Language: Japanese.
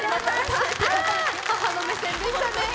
母の目線でしたね。